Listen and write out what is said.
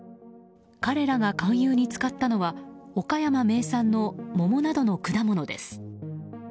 彼らが勧誘に使ったのは岡山名産の桃などの果物です。